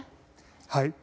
はい。